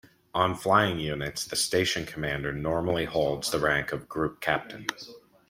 On flying units the station commander normally holds the rank of group captain.